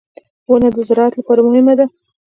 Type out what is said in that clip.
• ونه د زراعت لپاره مهمه ده.